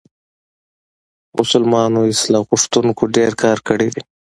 مسلمانو اصلاح غوښتونکو ډېر کار کړی دی.